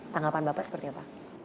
tanggapan bapak seperti apa